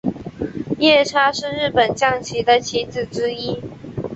夜叉是日本将棋的棋子之一。